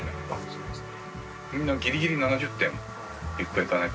そうですか。